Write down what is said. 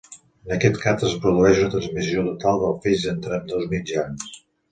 En aquest cas, es produeix una transmissió total del feix entre ambdós mitjans.